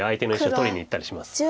取りにいったりします。